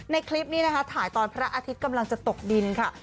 คลิปนี้นะคะถ่ายตอนพระอาทิตย์กำลังจะตกดินค่ะ